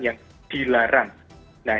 yang dilarang nah